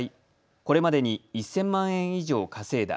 これまでに１０００万円以上稼いだ。